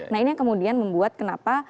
nah ini yang kemudian membuat kenapa